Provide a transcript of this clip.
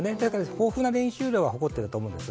豊富な練習量は誇っていると思うんです。